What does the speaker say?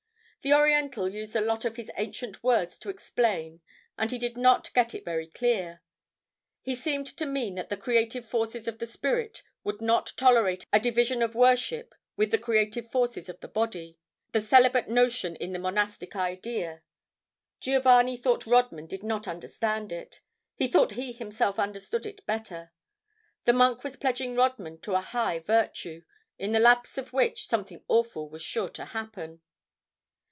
The Oriental used a lot of his ancient words to explain, and he did not get it very clear. He seemed to mean that the creative Forces of the spirit would not tolerate a division of worship with the creative forces of the body—the celibate notion in the monastic idea. Giovanni thought Rodman did not understand it; he thought he himself understood it better. The monk was pledging Rodman to a high virtue, in the lapse of which something awful was sure to happen.